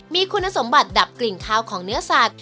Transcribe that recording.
มีคุณสมบัติดับกลิ่นข้าวของเนื้อสัตว